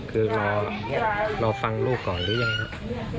คือรอฟังลูกก่อนหรือยังครับ